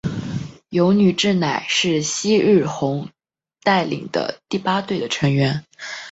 油女志乃是夕日红带领的第八队的成员。